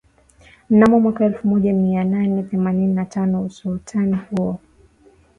mnamo mwaka elfu moja mia nane themanini na tano Usultani huo